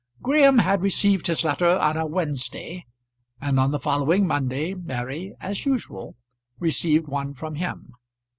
Graham had received his letter on a Wednesday, and on the following Monday Mary, as usual, received one from him.